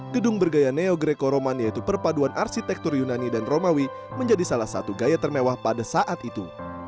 gedung bergaya neo greko roman yaitu perpaduan arsitektur yunani dan romawi menjadi salah satu gaya termewah pada saat itu